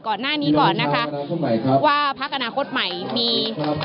ก่อนหน้านี้ก่อนนะคะว่าพักอนาคตใหม่มี